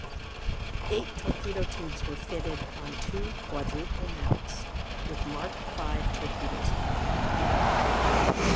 Eight torpedo tubes were fitted on two quadruple mounts, with Mark Five torpedoes carried.